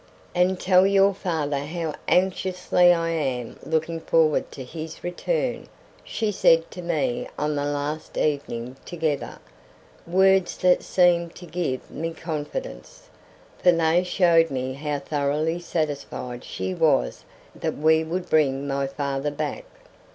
"And tell your father how anxiously I am looking forward to his return," she said to me on the last evening together; words that seemed to give me confidence, for they showed me how thoroughly satisfied she was that we would bring my father back.